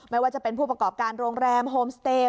ไม่ว่าจะเป็นผู้ประกอบการโรงแรมโฮมสเตย์